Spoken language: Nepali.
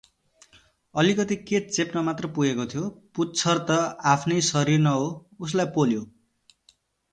अलिकति के चोप्न मात्र पुगेको थियो, पुच्छर त आफ्नै शरीरको न हो, उसलाई पोल्यो !